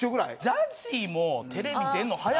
ＺＡＺＹもテレビ出るの早かった。